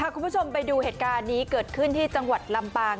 คุณผู้ชมไปดูเหตุการณ์นี้เกิดขึ้นที่จังหวัดลำปาง